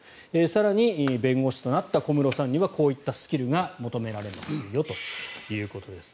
更に弁護士となった小室さんにはこういったスキルが求められますよということです。